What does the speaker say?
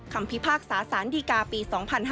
คำพิพากษาสารดีการ์ปี๒๕๓๐